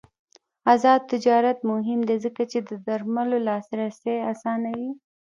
آزاد تجارت مهم دی ځکه چې د درملو لاسرسی اسانوي.